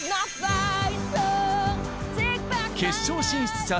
決勝進出者